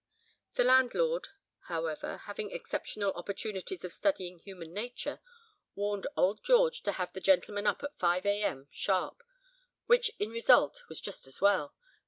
The landlord, however, having exceptional opportunities of studying human nature, warned old George to have the gentleman up at 5 a.m. sharp, which in result was just as well.